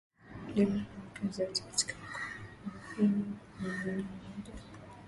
Jumla ya wakazi wote katika Mkoa wa Ruvuma ni milioni moja